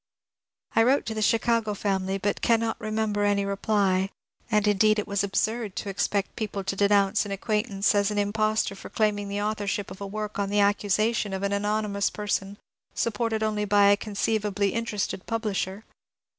I wrote to the Chicago family, but cannot remember any reply. And indeed it was absurd to expect people to denounce an acquaintance as an impostor for claiming the authorship of a work on the accusation of an anonymous person supported only by a conceivably interested publisher.